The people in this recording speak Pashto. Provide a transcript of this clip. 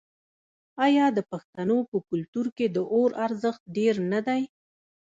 آیا د پښتنو په کلتور کې د اور ارزښت ډیر نه دی؟